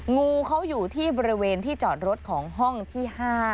งูเขาอยู่ที่บริเวณที่จอดรถของห้องที่๕